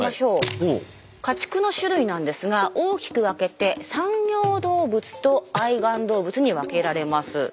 家畜の種類なんですが大きく分けて産業動物と愛玩動物に分けられます。